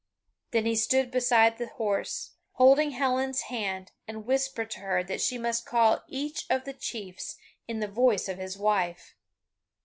Then he stood beside the horse, holding Helen's hand, and whispered to her that she must call each of the chiefs in the voice of his wife.